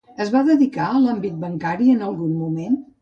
Es va dedicar a l'àmbit bancari en algun moment?